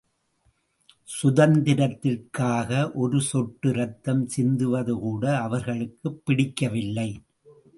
சுதந்திரத்திற்காக ஒரு சொட்டு ரத்தம் சிந்துவதுகூட அவர்களுக்குப் பிடிக்கவில்லை.